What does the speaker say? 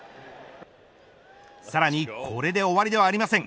さらにこれで終わりではありません。